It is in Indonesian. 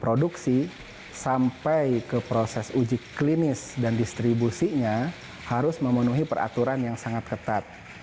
produksi sampai ke proses uji klinis dan distribusinya harus memenuhi peraturan yang sangat ketat